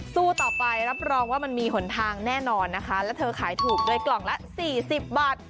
สู้ต่อไปรับรองว่ามันมีหนทางแน่นอนนะคะแล้วเธอขายถูกด้วยกล่องละ๔๐บาท